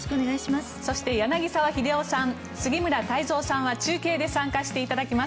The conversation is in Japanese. そして、柳澤秀夫さん杉村太蔵さんは中継で参加していただきます。